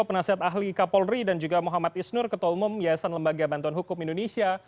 penasihat ahli kapolri dan juga muhammad isnur ketua umum yayasan lembaga bantuan hukum indonesia